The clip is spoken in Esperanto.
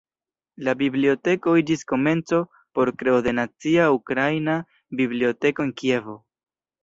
La biblioteko iĝis komenco por kreo de Nacia Ukraina Biblioteko en Kievo.